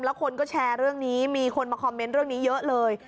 แล้วคนก็แชร์เรื่องนี้มีคนมาคอมเมนต์เรื่องนี้เยอะเลย